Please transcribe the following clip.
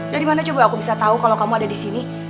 dari mana coba aku bisa tau kalau kamu ada disini